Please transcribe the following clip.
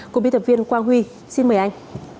của biên tập viên quang huy xin mời anh